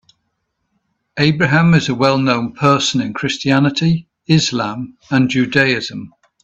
Abraham is a well known person in Christianity, Islam and Judaism.